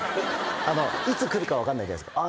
いつくるか分かんないじゃないですか。